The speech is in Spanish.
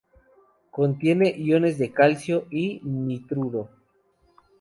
Contiene iones de calcio y nitruro.